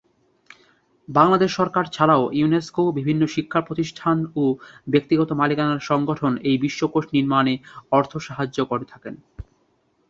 বাংলাদেশ সরকার ছাড়াও ইউনেস্কো, বিভিন্ন শিক্ষা প্রতিষ্ঠান ও ব্যক্তিগত মালিকানার সংগঠন এই বিশ্বকোষ নির্মাণে অর্থ সাহায্য করে থাকেন।